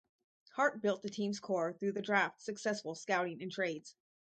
Hart built the team's core through the draft, successful scouting and trades.